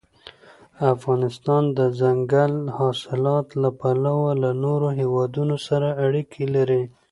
افغانستان د دځنګل حاصلات له پلوه له نورو هېوادونو سره اړیکې لري.